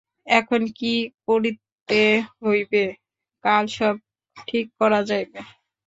এখন কী করিতে হইবে, কাল সব ঠিক করা যাইবে।